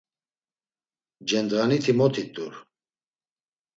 Cendğaniti mot it̆ur?